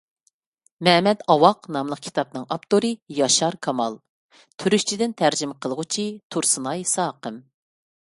«مەمەت ئاۋاق» ناملىق كىتابنىڭ ئاپتورى: ياشار كامال؛ تۈركچىدىن تەرجىمە قىلغۇچى: تۇرسۇنئاي ساقىم